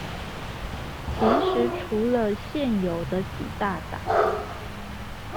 其實除了現有的幾大黨